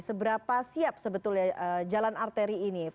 seberapa siap sebetulnya jalan arteri ini